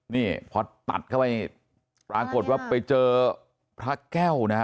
นี่พอตัดเข้าไปปรากฏว่าไปเจอพระแก้วนะฮะ